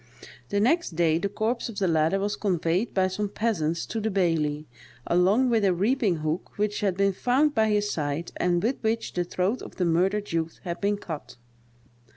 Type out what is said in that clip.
The next day, the corpse of the latter was conveyed by some peasants to the baillie, along with a reaping hook which had been found by his side, and with which the throat of the murdered youth had been cut.